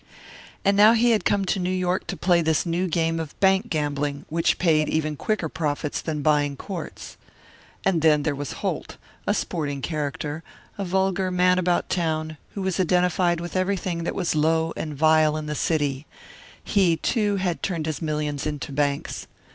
And now he had come to New York to play this new game of bank gambling, which paid even quicker profits than buying courts. And then there was Holt, a sporting character, a vulgar man about town, who was identified with everything that was low and vile in the city; he, too, had turned his millions into banks.